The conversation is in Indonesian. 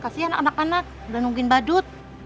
kasihan anak anak udah nungguin badut